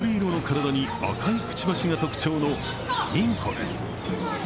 その正体は、緑色の体に赤いくちばしが特徴のインコです。